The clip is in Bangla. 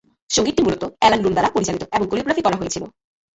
সঙ্গীতটি মূলত অ্যালান লুন্ড দ্বারা পরিচালিত এবং কোরিওগ্রাফ করা হয়েছিল।